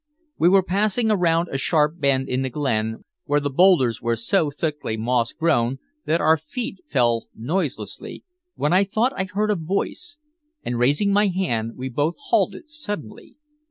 We were passing around a sharp bend in the glen where the boulders were so thickly moss grown that our feet fell noiselessly, when I thought I heard a voice, and raising my hand we both halted suddenly.